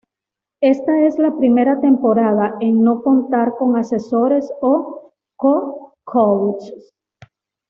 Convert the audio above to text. Esta es la primera temporada en no contar con asesores o co"coaches".